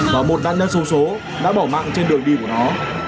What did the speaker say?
và một đàn đất số số đã bỏ mạng trên đường đi của nó